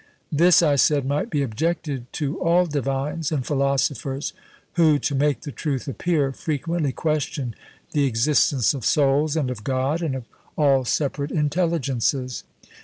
This, I said, might be objected to all divines and philosophers, who, to make the truth appear, frequently question the existence of souls and of God, and of all separate intelligences.